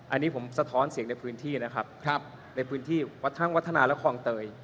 อันนี้ผมสะท้อนเสียงในพื้นที่นะครับในพื้นที่วัดทั้งวัฒนาและคลองเตย